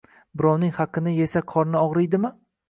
Birovning haqini yesa qorni og‘riydimi